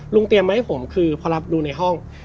เตรียมมาให้ผมคือพอรับดูในห้อง